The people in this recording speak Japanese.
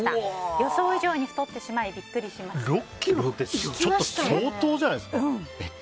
予想以上に太ってしまい６ｋｇって相当じゃないですか。